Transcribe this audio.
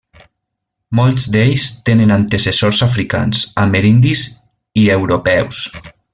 Molts d’ells tenen antecessors africans, amerindis i europeus.